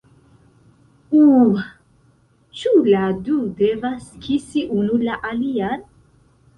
Uh... ĉu la du devas kisi unu la alian?